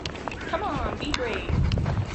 Come on, be brave!